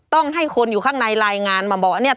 ต้องให้คนอยู่ข้างในรายงานมาบอกว่าเนี่ย